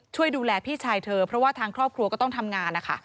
ช่วยดูแลพี่ชายเธอเพราะว่าทางครอบครัวก็ต้องทำงานนะคะ